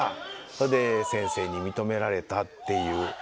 それで先生に認められたっていう。